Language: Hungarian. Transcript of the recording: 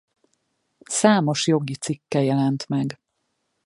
Számos jogi cikke jelent meg.